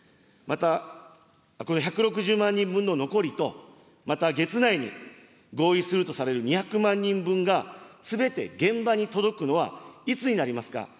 また、この１６０万人分の残りと、また月内に合意するとされる２００万人分が、すべて現場に届くのはいつになりますか。